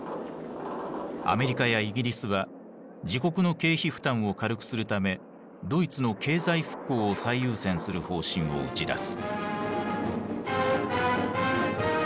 アメリカやイギリスは自国の経費負担を軽くするためドイツの経済復興を最優先する方針を打ち出す。